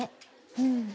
うん。